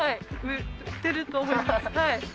売ってると思います。